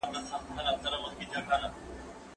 لاس برس کله ناکله زیان رسوي.